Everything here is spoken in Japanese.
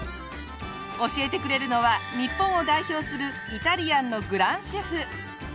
教えてくれるのは日本を代表するイタリアンのグランシェフ。